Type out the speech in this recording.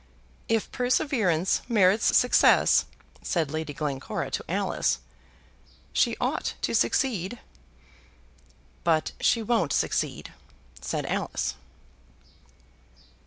"If perseverance merits success," said Lady Glencora to Alice, "she ought to succeed." "But she won't succeed," said Alice.